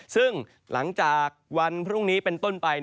ซึ่งหลังจากวันพรุ่งนี้เป็นต้นไป